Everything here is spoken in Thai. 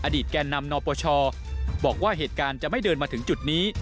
แก่นำนปชบอกว่าเหตุการณ์จะไม่เดินมาถึงจุดนี้